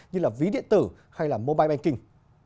như là ví điện tử hay là mobile banking